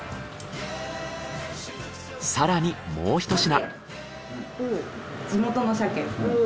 更にもうひと品。